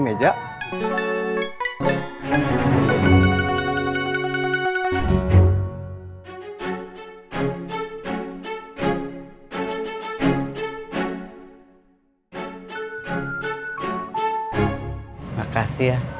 terima kasih ya